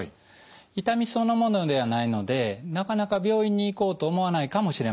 痛みそのものではないのでなかなか病院に行こうと思わないかもしれません。